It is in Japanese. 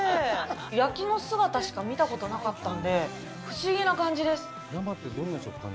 焼きの姿しか見たことなかったんで不思議な感じです。